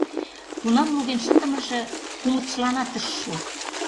Тунам луген шындымыже кумытшыланат ыш шу.